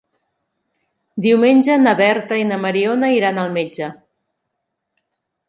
Diumenge na Berta i na Mariona iran al metge.